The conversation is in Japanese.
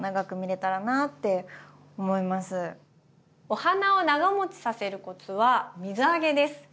お花を長もちさせるコツは水あげです。